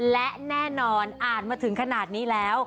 และแน่นอนอ่านมาถึงขนาดนี้แล้ว